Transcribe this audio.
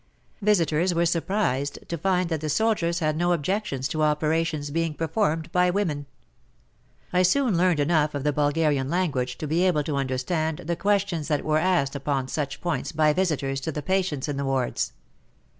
Visitors were surprised to find that the soldiers had no objections to operations being performed by women. I soon learned enough of the Bul garian language to be able to understand the questions that were asked upon such points by visitors to the patients in the wards.